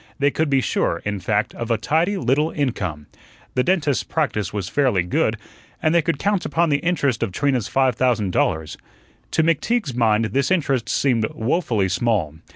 They could be sure, in fact, of a tidy little income. The dentist's practice was fairly good, and they could count upon the interest of Trina's five thousand dollars. To McTeague's mind this interest seemed woefully small.